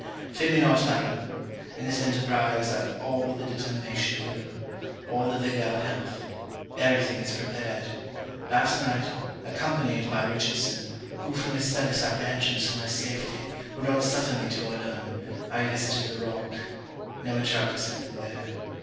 Fear me not, madam. In this enterprise, I have all the determination of will all the vigour of health. Everything is prepared last night, accompanied by Richardson, who from his zealous apprehensions for my safety, would not suffer me to go alone, I visited the rock. No interrupters have been there.